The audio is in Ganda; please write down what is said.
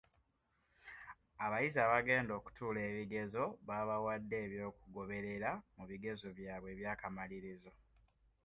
Abayizi abagenda okutuula ebigezo babawadde eby'okugoberera mu bigezo byabwe eby'akamalirizo.